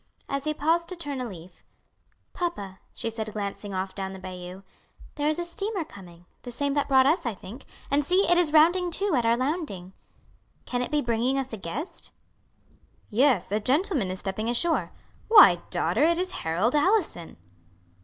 As he paused to turn a leaf, "Papa," she said, glancing off down the bayou, "there is a steamer coming, the same that brought us, I think; and see, it is rounding to at our landing. Can it be bringing us a guest?" "Yes, a gentleman is stepping ashore. Why, daughter, it is Harold Allison."